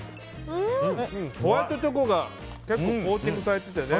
ホワイトチョコが結構コーティングされててね。